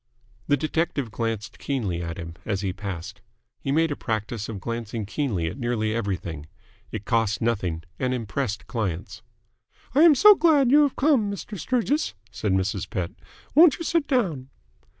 The detective glanced keenly at him as he passed. He made a practice of glancing keenly at nearly everything. It cost nothing and impressed clients. "I am so glad you have come, Mr. Sturgis," said Mrs. Pett. "Won't you sit down?"